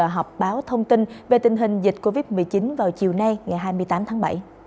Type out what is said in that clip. họp báo thông tin về tình hình dịch covid một mươi chín vào chiều nay ngày hai mươi tám tháng bảy